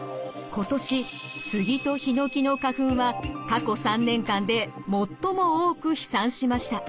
今年スギとヒノキの花粉は過去３年間で最も多く飛散しました。